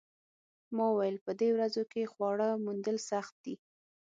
ما وویل په دې ورځو کې خواړه موندل سخت دي